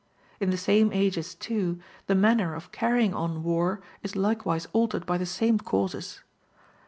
In the same ages, too, the manner of carrying on war is likewise altered by the same causes.